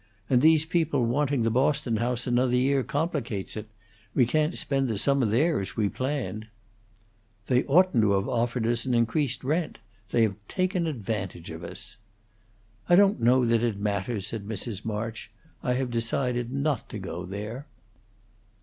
And these people wanting the Boston house another year complicates it. We can't spend the summer there, as we planned." "They oughtn't to have offered us an increased rent; they have taken an advantage of us." "I don't know that it matters," said Mrs. March. "I had decided not to go there."